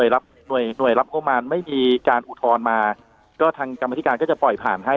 หน่วยหน่วยรับงบมารไม่มีการอุทธรณ์มาก็ทางกรรมธิการก็จะปล่อยผ่านให้